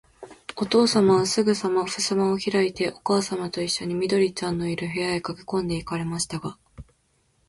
おとうさまは、すぐさまふすまをひらいて、おかあさまといっしょに、緑ちゃんのいる、部屋へかけこんで行かれましたが、